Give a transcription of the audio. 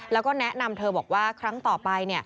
แล้วก็แนะนำเธอบอกว่าครั้งต่อไป